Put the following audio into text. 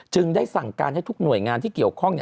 ได้สั่งการให้ทุกหน่วยงานที่เกี่ยวข้อง